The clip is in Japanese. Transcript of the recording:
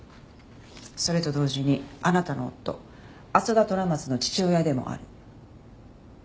それと同時にあなたの夫朝田虎松の父親でもある。